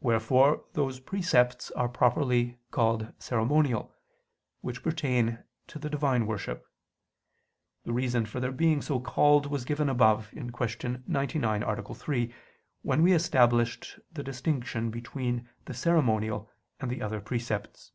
Wherefore those precepts are properly called ceremonial, which pertain to the Divine worship. The reason for their being so called was given above (Q. 99, A. 3), when we established the distinction between the ceremonial and the other precepts.